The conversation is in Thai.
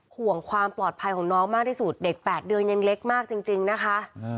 ห่วงความปลอดภัยของน้องมากที่สุดเด็ก๘เดือนยังเล็กมากจริงนะคะ